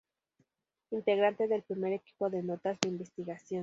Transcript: Integrante del primer equipo de Notas de Investigación.